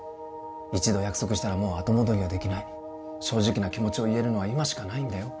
一度約束したらもう後戻りはできない正直な気持ちを言えるのは今しかないんだよ